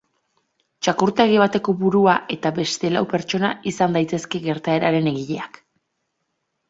Txakurtegi bateko burua eta beste lau pertsona izan daitezke gertaeraren egileak.